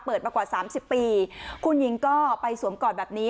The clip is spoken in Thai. มากว่าสามสิบปีคุณหญิงก็ไปสวมกอดแบบนี้